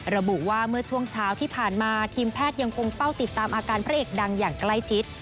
ระบุว่าเมื่อช่วงเช้าที่ผ่านมาทีมแพทย์ยังคงเฝ้าติดตามอาการพระเอกดังอย่างใกล้ชิด